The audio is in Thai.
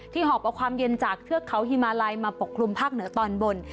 หอบเอาความเย็นจากเทือกเขาฮิมาลัยมาปกคลุมภาคเหนือตอนบน